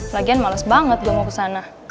lagian males banget gak mau ke sana